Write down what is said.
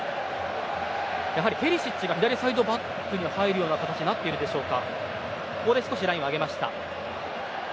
ペリシッチが左サイドバックに入る形になっているでしょうか。